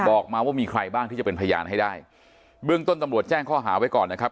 บอกมาว่ามีใครบ้างที่จะเป็นพยานให้ได้เบื้องต้นตำรวจแจ้งข้อหาไว้ก่อนนะครับ